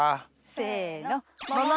せの。